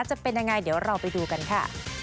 จะเป็นยังไงเดี๋ยวเราไปดูกันค่ะ